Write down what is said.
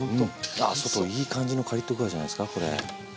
あ外いい感じのカリッと具合じゃないですかこれ。